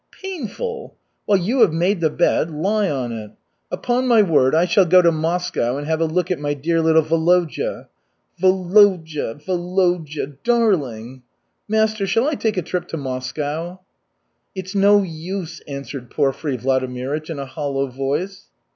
"Painful? Well, you have made the bed, lie on it. Upon my word, I shall go to Moscow and have a look at my dear little Volodya. Volodya, Volodya! Da a ar ling! Master, shall I take a trip to Moscow?" "It's no use," answered Porfiry Vladimirych in a hollow voice.